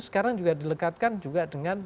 sekarang juga dilekatkan juga dengan